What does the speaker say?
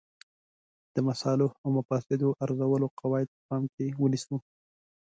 د مصالحو او مفاسدو ارزولو قواعد په پام کې ونیسو.